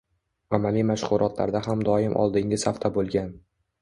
Amaliy mashg`ulotlarda ham doim oldingi safda bo`lgan